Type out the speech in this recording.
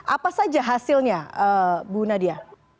apa saja hasilnya bu nadia